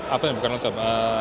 apa yang bukan long term